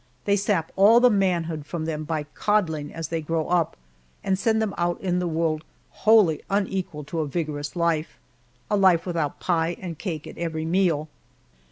They sap all manhood from them by "coddling" as they grow up, and send them out in the world wholly unequal to a vigorous life a life without pie and cake at every meal.